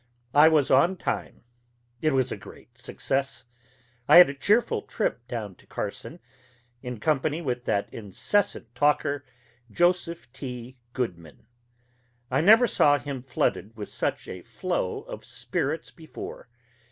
I was on time. It was a great success. I had a cheerful trip down to Carson, in company with that incessant talker, Joseph T. Goodman. I never saw him flooded with such a flow of spirits before.